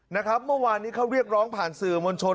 เมื่อวานนี้เขาเรียกร้องผ่านสื่อมวลชน